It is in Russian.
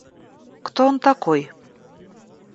Кто он такой?